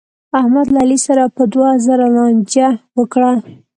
احمد له علي سره په دوه زره لانجه وکړه.